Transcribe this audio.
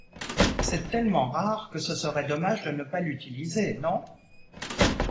C’est tellement rare que ce serait dommage de ne pas l’utiliser, non ?